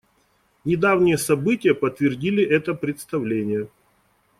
Недавние события подтвердили это представление.